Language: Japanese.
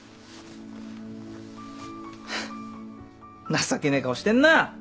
情けねえ顔してんな。